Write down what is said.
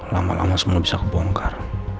lama lama semua bisa kebongkar